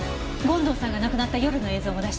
権藤さんが亡くなった夜の映像も出して。